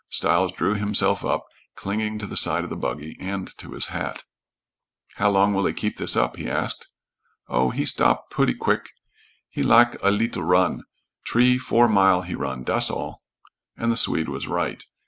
Stiles drew himself up, clinging to the side of the buggy and to his hat. "How long will he keep this up?" he asked. "Oh, he stop putty quvick. He lak it leetle run. T'ree, four mile he run das all." And the Swede was right.